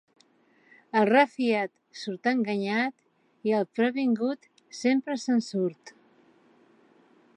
El refiat surt enganyat i el previngut sempre se'n surt.